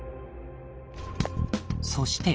そして。